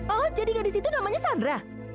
oh jadi gadis itu namanya sandra